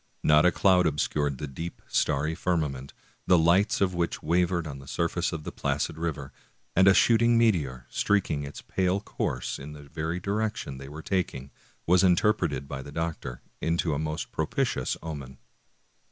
Not a cloud obscured the deep, starry firmament, the lights of which wavered on the surface of the placid river, and a shooting meteor, streaking its pale course in the very direc tion they were taking, was interpreted by the doctor into a most propitious omen.